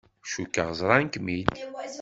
Cukkeɣ ẓran-kem-d.